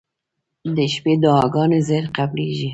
• د شپې دعاګانې زر قبلېږي.